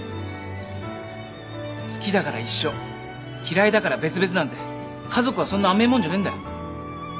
好きだから一緒嫌いだから別々なんて家族はそんな甘えもんじゃねえんだよ。